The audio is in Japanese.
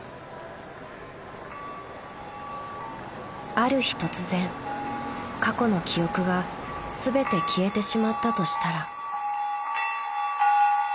［ある日突然過去の記憶が全て消えてしまったとしたら］